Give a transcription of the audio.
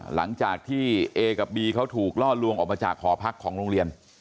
หลังจากที่เอกับบีเขาถูกล่อลวงออกมาจากหอพักของโรงเรียน